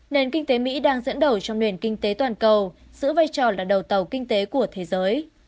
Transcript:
nền kinh tế mỹ đang dẫn đầu trong nền kinh tế toàn cầu giữ vai trò là đầu tàu kinh tế của thế giới